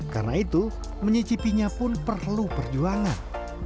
karena itu mencicipinya pun perlu perjuangan